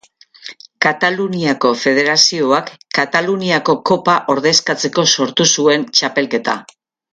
Kataluniako Federazioak Kataluniako Kopa ordezkatzeko sortu zuen txapelketa.